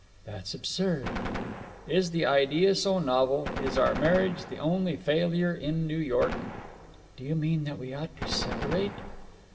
"That's absurd." "Is the idea so novel? Is our marriage the only failure in New York?" "Do you mean that we ought to separate?"